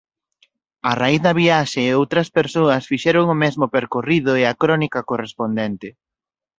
A raíz da viaxe outras persoas fixeron o mesmo percorrido e a crónica correspondente.